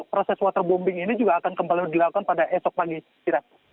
proses waterbombing ini juga akan kembali dilakukan pada esok pagi